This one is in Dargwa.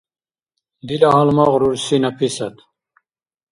Дила гьалмагъ рурси Написат